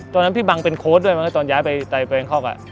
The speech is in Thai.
ตอนนั้นพี่บังเป็นโค้ดด้วยมั้ยตอนย้ายไปแบงคอก